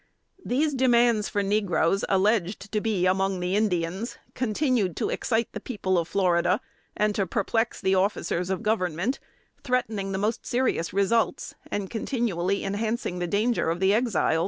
These demands for negroes alleged to be among the Indians, continued to excite the people of Florida and to perplex the officers of Government, threatening the most serious results, and continually enhancing the dangers of the Exiles.